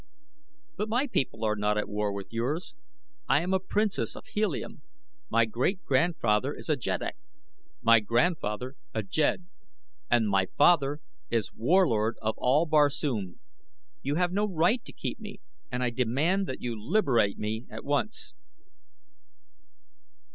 "But my people are not at war with yours. I am a princess of Helium; my great grandfather is a jeddak; my grandfather a jed; and my father is Warlord of all Barsoom. You have no right to keep me and I demand that you liberate me at once."